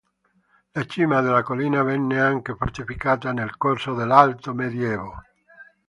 La cima della collina venne anche fortificata nel corso dell'Alto medioevo.